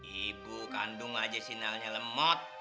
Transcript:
ibu kandung aja sinyalnya lemot